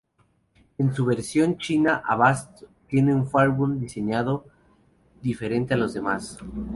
En su versión china, Avast tiene un Firewall diseñado diferente a los demás.